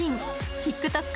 ＴｉｋＴｏｋ